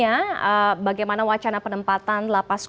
yayangnya adalah sekarang setelah penepatan lapas